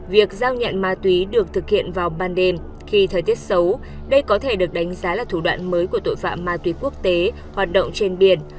việc giao nhận ma túy được thực hiện vào ban đêm khi thời tiết xấu đây có thể được đánh giá là thủ đoạn mới của tội phạm ma túy quốc tế hoạt động trên biển